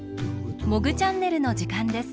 「モグチャンネル」のじかんです。